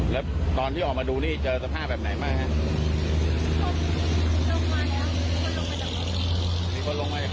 แล้วตอนที่ออกมาดูนี่เจอสภาพแบบไหนบ้างครับ